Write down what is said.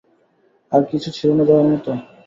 আর কিছু ছিল না দেয়ার মত।